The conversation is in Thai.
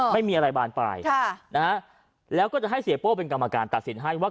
ไม่มีอะไรบานปลายแล้วก็จะให้เสียโป้เป็นกรรมการตัดสินให้ว่า